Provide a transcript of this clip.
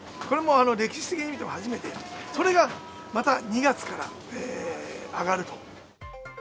これもう歴史的に見ても初めて、それがまた２月から上がると。